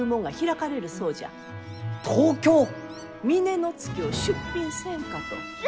峰乃月を出品せんかと。